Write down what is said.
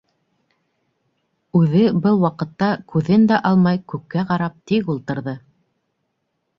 Үҙе был ваҡытта күҙен дә алмай күккә ҡарап тик ултырҙы.